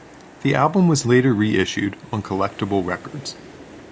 The album was later reissued on Collectables Records.